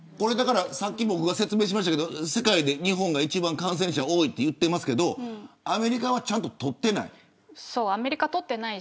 さっき、僕が説明しましたが世界で日本が一番感染者が多いと言っていますがアメリカはちゃんと取っていない。